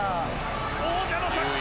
王者の着地！